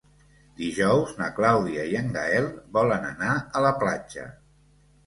Dijous na Clàudia i en Gaël volen anar a la platja.